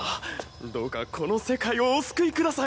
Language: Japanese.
どうかこの世界をお救いください。